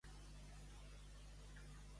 La música, per a qui l'entenga.